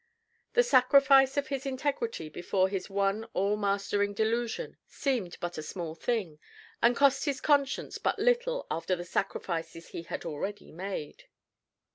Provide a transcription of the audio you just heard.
The sacrifice of his integrity before his one all mastering delusion seemed but a small thing, and cost his conscience but little after the sacrifices he had already made.